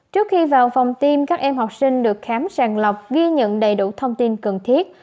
trước khi vào phòng tiêm các em học sinh được khám sàng lọc ghi nhận đầy đủ thông tin cần thiết